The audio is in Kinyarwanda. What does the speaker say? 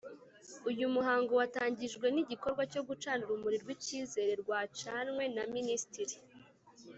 Uy umuhango watangijwen igikorwa cyo gucana urumuri rw icyizere rwa canywe na minisitiri